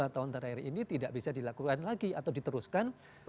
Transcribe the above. dua tahun terakhir ini tidak bisa dilakukan lagi atau diteruskan